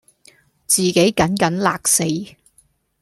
自己緊緊勒死；